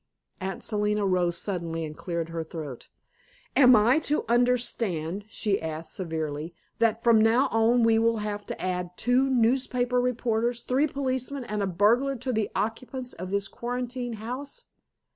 Aunt Selina rose suddenly and cleared her throat. "Am I to understand," she asked severely, "that from now on we will have to add two newspaper reporters, three policemen and a burglar to the occupants of this quarantined house?